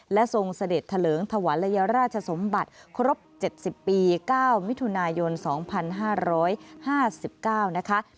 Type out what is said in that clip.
และทรงเสด็จเถลิงถวาลัยราชสมบัติครบ๗๐ปี๙มิถุนายน๒๕๕๙นะคะ